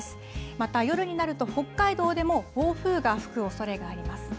また夜になると、北海道でも暴風が吹くおそれがあります。